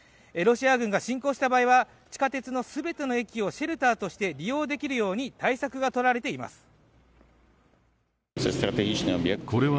ロシア軍が侵攻した場合は地下鉄の全ての駅をシェルターとして利用できるように対策がとられています。